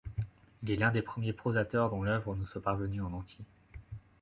Il est l’un des premiers prosateurs dont l'œuvre nous soit parvenue en entier.